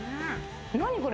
何これ？